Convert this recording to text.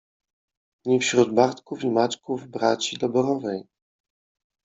Ni wśród Bartków i Maćków braci doborowej